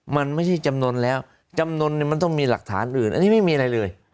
ไม่มีอะไรเลยไม่มีอะไรเลย